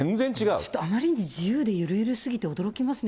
ちょっとあまりに自由でゆるゆる過ぎて驚きますね。